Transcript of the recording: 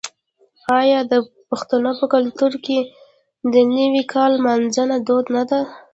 آیا د پښتنو په کلتور کې د نوي کال لمانځل دود نه دی؟